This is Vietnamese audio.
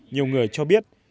nhiều người cho biết